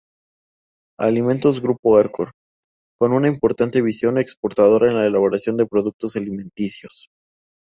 Alimentos Grupo Arcor, con una importante visión exportadora en la elaboración de productos alimenticios.